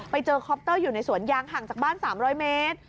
คอปเตอร์อยู่ในสวนยางห่างจากบ้าน๓๐๐เมตร